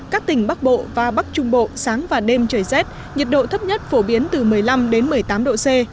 các tỉnh bắc bộ và bắc trung bộ sáng và đêm trời rét nhiệt độ thấp nhất phổ biến từ một mươi năm một mươi tám độ c